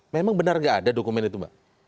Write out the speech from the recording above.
memang benar nggak ada dokumen itu mbak